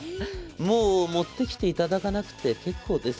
もう持ってきて頂かなくて結構です。」